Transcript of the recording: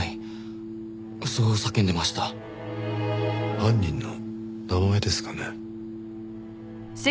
犯人の名前ですかね？